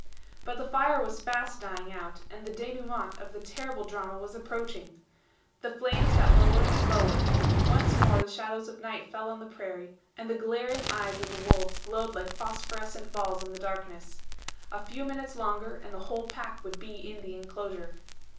But the fire was fast dying out, and the DENOUEMENT of the terrible drama was approaching. The flames got lower and lower. Once more the shadows of night fell on the prairie, and the glaring eyes of the wolves glowed like phosphorescent balls in the darkness. A few minutes longer, and the whole pack would be in the inclosure.